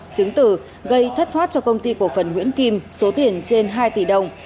chứng tử gây thất thoát cho công ty cổ phần nguyễn kim số tiền trên hai tỷ đồng